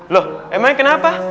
loh emangnya kenapa